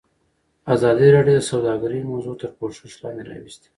ازادي راډیو د سوداګري موضوع تر پوښښ لاندې راوستې.